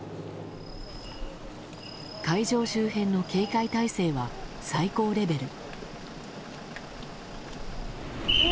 会場周辺の警戒態勢は最高レベル。